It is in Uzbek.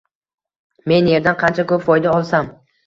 men yerdan qancha ko‘p foyda olsam